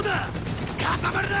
固まるな！